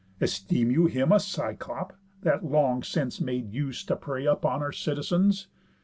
Esteem you him a Cyclop, that long since Made use to prey upon our citizens?